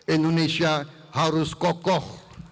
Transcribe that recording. indonesia harus kokoh